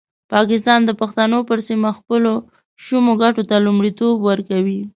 پاکستان د پښتنو پر سیمه خپلو شومو ګټو ته لومړیتوب ورکوي.